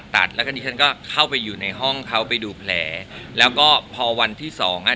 ตัดแล้วก็ดิฉันก็เข้าไปอยู่ในห้องเขาไปดูแผลแล้วก็พอวันที่สองอ่ะ